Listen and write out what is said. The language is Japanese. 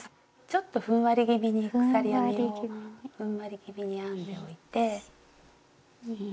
ちょっとふんわり気味に鎖編みをふんわり気味に編んでおいて。